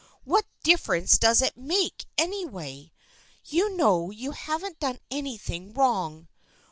What difference does it make, anyway ? You know you haven't done anything wrong.